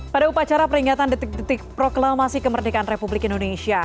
pada upacara peringatan detik detik proklamasi kemerdekaan republik indonesia